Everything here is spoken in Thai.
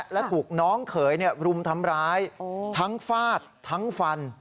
และถูกน้องเขยรุมทำร้ายทั้งฟาดทั้งฟัน